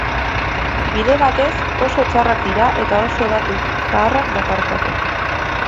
Bide batez, oso txarrak dira eta oso datu zaharrak dakartzate.